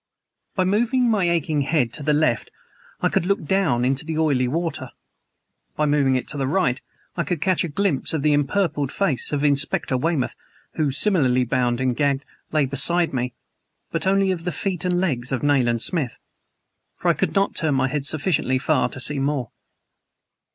By moving my aching head to the left I could look down into the oily water; by moving it to the right I could catch a glimpse of the empurpled face of Inspector Weymouth, who, similarly bound and gagged, lay beside me, but only of the feet and legs of Nayland Smith. For I could not turn my head sufficiently far to see more.